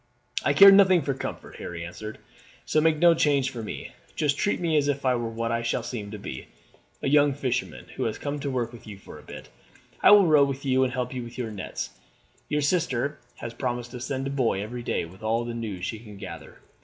"I care nothing for comfort," Harry answered, "so make no change for me. Just treat me as if I were what I shall seem to be a young fisherman who has come to work with you for a bit. I will row with you and help you with your nets. Your sister has promised to send a boy every day with all the news she can gather.